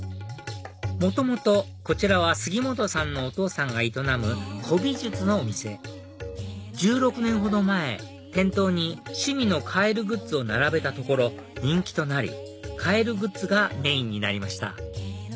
元々こちらは杉本さんのお父さんが営む古美術のお店１６年ほど前店頭に趣味のカエルグッズを並べたところ人気となりカエルグッズがメインになりました